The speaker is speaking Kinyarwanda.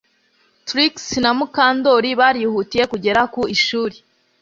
Trix na Mukandoli barihutiye kugera ku ishuri